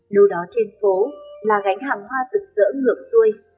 đâu đó trên phố là gánh hàng hoa rực rỡ ngược xuôi